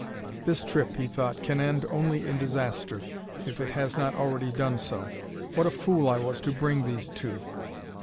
"This trip," he thought, "can end only in disaster if it has not already done so. What a fool I was to bring these two!"